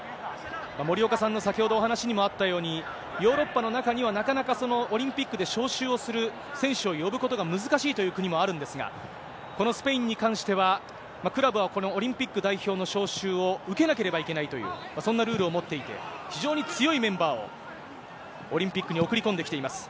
森岡さんの先ほどお話にもあったように、ヨーロッパの中には、なかなかオリンピックで招集をする、選手を呼ぶことが難しいという国もあるんですが、このスペインに関しては、クラブはこのオリンピック代表の招集を受けなければいけないという、そんなルールを持っていて、非常に強いメンバーをオリンピックに送り込んできています。